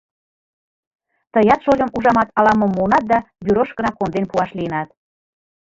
Тыят, шольым, ужамат, ала-мом муынат да «Бюрошкына» конден пуаш лийынат.